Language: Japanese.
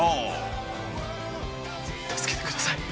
「助けてください」